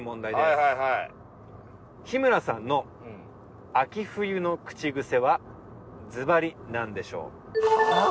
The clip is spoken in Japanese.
日村さんの秋冬の口癖はずばりなんでしょう？はあ？